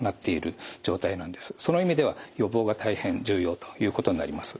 その意味では予防が大変重要ということになります。